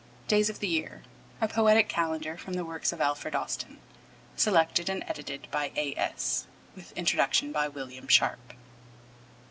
Days of the Year: A Poetic Calendar from the Works of Alfred Austin. Selected and edited by A. S. With Introduction by William Sharp.